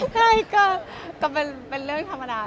ใช่ก็เป็นเรื่องธรรมดา